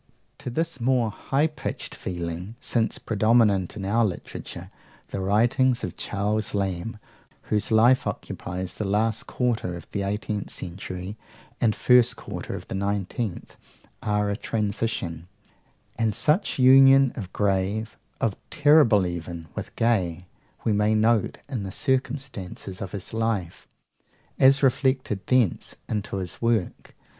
To this more high pitched feeling, since predominant in our literature, the writings of Charles Lamb, whose life occupies the last quarter of the eighteenth century and the first quarter of the nineteenth, are a transition; and such union of grave, of terrible even, with gay, we may note in the circumstances of his life, as reflected thence into his work.